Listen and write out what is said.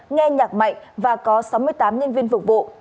nghe nhạc mạnh và có sáu mươi tám nhân viên phục vụ